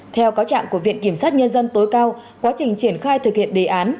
theo cáo trạng của viện kiểm sát nhân dân tối cao quá trình triển khai thực hiện đề án